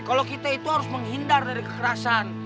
kalau kita itu harus menghindar dari kekerasan